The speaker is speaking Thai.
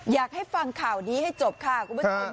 อยากให้ฟังข่าวนี้ให้จบค่ะคุณผู้ชม